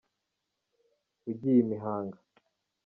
Ugiye imahanga